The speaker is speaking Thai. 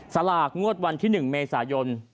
สลากงวดวันที่๑เมษายน